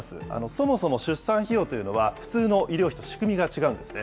そもそも出産費用というのは、普通の医療費と仕組みが違うんですね。